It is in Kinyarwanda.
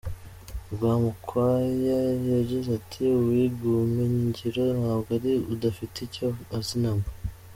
Rwamukwaya yagize ati “Uwiga ubumenyingiro ntabwo ari udafite icyo azi namba .